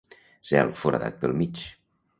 Zel foradat pel mig.